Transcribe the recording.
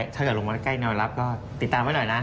ถ้าเกิดลงมาใกล้แนวรับก็ติดตามไว้หน่อยนะ